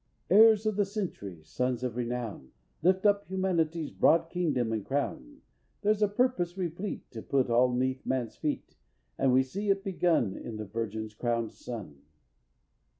_Heirs of the century, Sons of renown, Lift up humanity's Broad kingdom and crown. There's a purpose replete, To put all 'neath man's feet, And we see it begun In the Virgin's crowned Son.